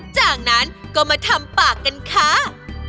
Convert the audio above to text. จากนั้นก็มาทำปากกันค่ะ